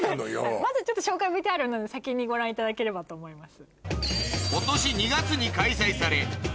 まずちょっと紹介ＶＴＲあるので先にご覧いただければと思います。